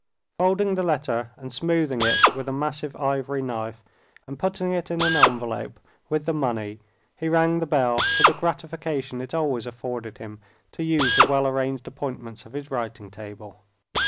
Folding the letter and smoothing it with a massive ivory knife, and putting it in an envelope with the money, he rang the bell with the gratification it always afforded him to use the well arranged appointments of his writing table.